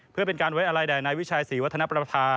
เพื่อเป็นการไว้อะไรแด่นายวิชัยศรีวัฒนประภา